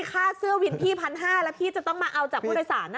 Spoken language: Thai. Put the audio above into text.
ค่าเสื้อวินพี่๑๕๐๐แล้วพี่จะต้องมาเอาจากผู้โดยสาร